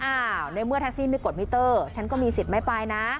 ในเมื่อแท็กซี่ไม่กดมิเตอร์ฉันก็มีสิทธิ์ไม่ไปนะ